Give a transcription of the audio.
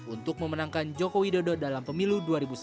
untuk memenangkan joko widodo dalam pemilu dua ribu sembilan belas